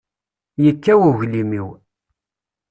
Yekkaw uglim-iw.